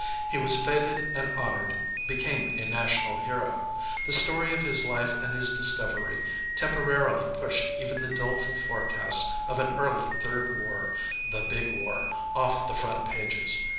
He was feted and honored, became a national hero. The story of his life and his discovery temporarily pushed even the doleful forecasts of an early Third War, the Big War, off the front pages.